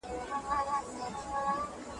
که تاسو غواړئ نو دا کتاب ولولئ.